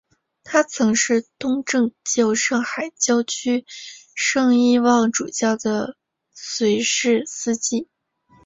他曾是东正教上海教区圣伊望主教的随侍司祭。